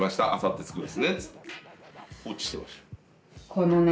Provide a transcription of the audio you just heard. このね